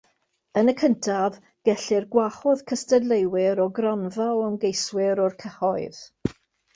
Yn y cyntaf, gellir gwahodd cystadleuwyr o gronfa o ymgeiswyr o'r cyhoedd.